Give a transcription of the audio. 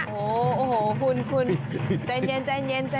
โอ้โหโอ้โหคุณใจเย็นณ๊า